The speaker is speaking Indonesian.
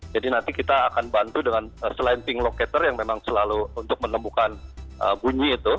jadi nanti kita akan bantu dengan selain ping locator yang memang selalu untuk menemukan bunyi itu